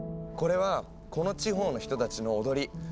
これはこの地方の人たちの踊り。